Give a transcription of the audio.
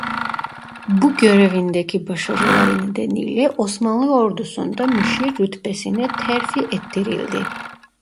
Bu görevindeki başarıları nedeniyle Osmanlı Ordusu'nda Müşir rütbesine terfi ettirildi.